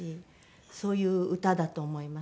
そういう歌だと思います。